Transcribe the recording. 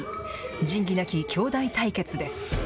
仁義なき兄弟対決です。